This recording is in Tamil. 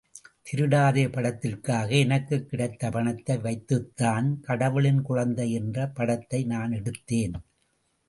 திருடாதே படத்திற்காக எனக்குக் கிடைத்த பணத்தை வைத்துத்தான் கடவுளின் குழந்தை என்ற படத்தை நான் எடுத்தேன்.